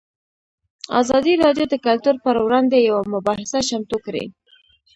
ازادي راډیو د کلتور پر وړاندې یوه مباحثه چمتو کړې.